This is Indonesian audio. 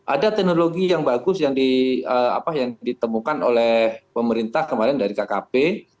ada teknologi yang bagus yang ditemukan oleh pemerintah kemarin dari kkp